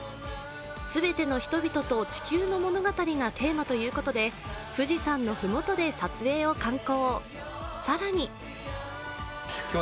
全ての人々と地球の物語がテーマということで富士山の麓で撮影を敢行。